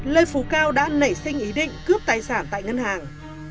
lê phú cao đã nảy sinh ý định cướp tài sản tại ngân hàng